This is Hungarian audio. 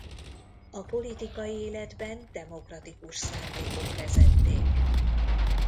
A politikai életben demokratikus szándékok vezették.